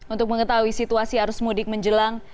untuk mengetahui situasi arus mudik menjelang